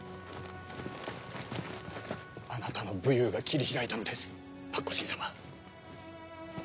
あなたの武勇が切り開いたのです縛虎申様。